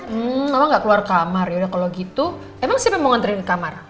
hmm mama gak keluar kamar yaudah kalau gitu emang siapa mau nganterin ke kamar